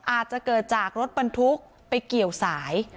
อาจจะเกิดจากรถบรรทุกไปเกี่ยวสาย